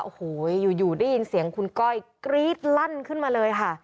โอ้โหอยู่ได้ยินเสียงคุณก้อยกรี๊ดลั่นขึ้นมาเลยค่ะ